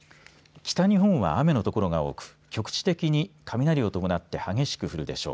北日本は雨の所が多く局地的に雷を伴って激しく降るでしょう。